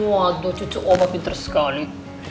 waduh cucu omba pinter sekali